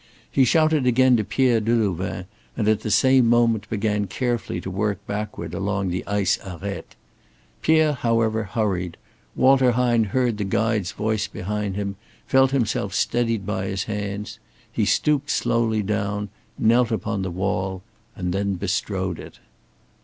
He shouted again to Pierre Delouvain, and at the same moment began carefully to work backward along the ice arête. Pierre, however, hurried; Walter Hine heard the guide's voice behind him, felt himself steadied by his hands. He stooped slowly down, knelt upon the wall, then bestrode it.